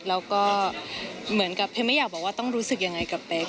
แล้วก็เหมือนกับเพชรไม่อยากบอกว่าต้องรู้สึกยังไงกับเป๊ก